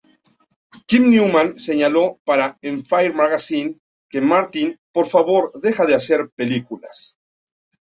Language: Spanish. Kim Newman señaló para "Empire Magazine" que "Martin, por favor deja de hacer películas".